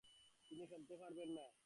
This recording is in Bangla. তিনি খেলতে পারবেন না।